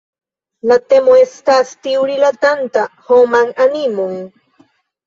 La temo estas tiu rilatanta homan animon.